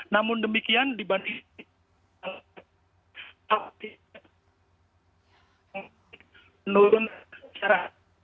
namun demikian dibandingkan api menurun secara